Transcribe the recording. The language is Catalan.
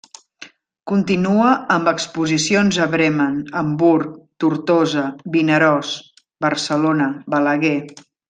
Continua amb exposicions a Bremen, Hamburg, Tortosa, Vinaròs, Barcelona, Balaguer.